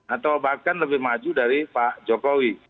atau bahkan lebih maju dari pak jokowi